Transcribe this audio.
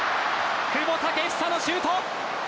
久保建英のシュート。